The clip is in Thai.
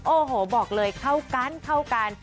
โอ้โหบอกเลยเข้ากันเข้ากัน